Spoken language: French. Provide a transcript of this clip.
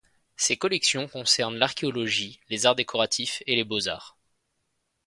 Ses collections concernent l'archéologie, les arts décoratifs, et les beaux-arts.